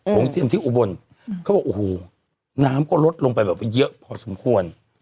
ผมเตรียมที่อุบลเขาบอกอูหูน้ำก็ลดลงไปแบบเยอะพอสมควร